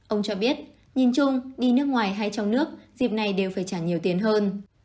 ông cho biết nhìn chung đi nước ngoài hay trong nước dịp này đều phải trả nhiều tiền hơn